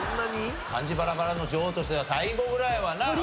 漢字バラバラの女王としては最後ぐらいはな。